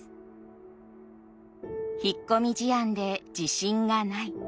引っ込み思案で自信がない。